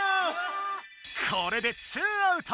これで２アウト。